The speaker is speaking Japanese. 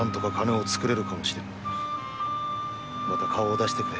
また顔を出してくれ。